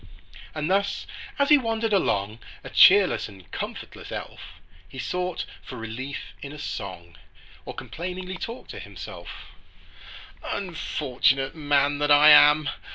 And thus as he wandered along, A cheerless and comfortless elf, He sought for relief in a song, Or complainingly talked to himself:— "Unfortunate man that I am!